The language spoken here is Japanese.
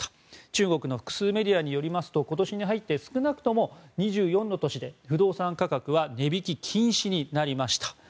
中国の複数メディアによりますと今年に入って少なくとも２４の都市で不動産価格は値引き禁止になりました。